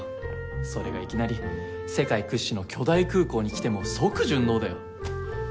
それがいきなり世界屈指の巨大空港に来ても即順応だよ。